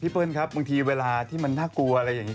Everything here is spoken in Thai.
เปิ้ลครับบางทีเวลาที่มันน่ากลัวอะไรอย่างนี้